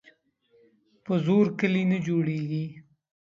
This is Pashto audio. په زور کلي نه جوړیږي.